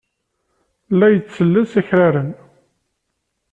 La yettelles akraren.